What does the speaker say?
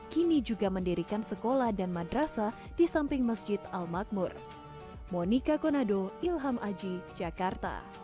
kini juga mendirikan sekolah dan madrasah di samping masjid al makmur